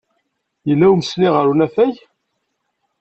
Yella umesni ɣer unafag?